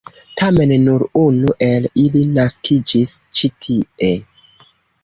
Tamen, nur unu el ili naskiĝis ĉi tie.